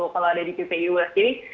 kalau ada di ppul sendiri